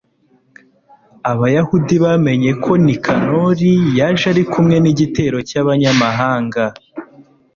abayahudi bamenye ko nikanori yaje ari kumwe n'igitero cy'abanyamahanga